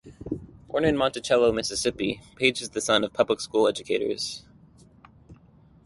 Born in Monticello, Mississippi, Paige is the son of public school educators.